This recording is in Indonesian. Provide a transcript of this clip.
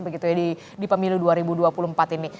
begitu ya di pemilu dua ribu dua puluh empat ini